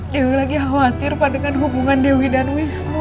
dia lagi khawatir pak dengan hubungan dewi dan wisnu